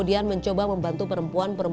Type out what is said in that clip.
ya silakan menubuhkan laptop yg pessoas po ekim